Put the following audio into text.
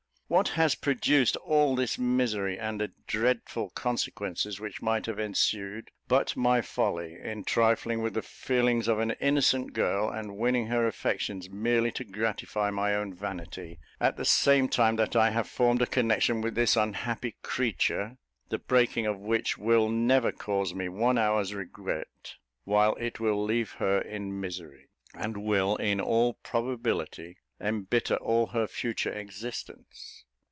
What has produced all this misery and the dreadful consequences which might have ensued, but my folly in trifling with the feelings of an innocent girl, and winning her affections merely to gratify my own vanity; at the same time that I have formed a connection with this unhappy creature, the breaking of which will never cause me one hour's regret, while it will leave her in misery, and will, in all probability, embitter all her future existence?